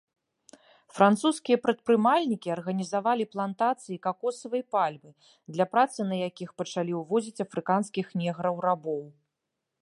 Французскія прадпрымальнікі арганізавалі плантацыі какосавай пальмы, для працы на якіх пачалі увозіць афрыканскіх неграў-рабоў.